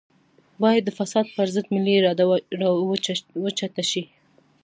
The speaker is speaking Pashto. بايد د فساد پر ضد ملي اراده راوچته شي.